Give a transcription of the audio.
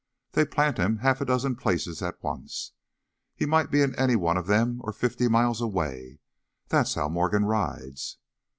They plant him half a dozen places at once. He might be in any one of them or fifty miles away; that's how Morgan rides."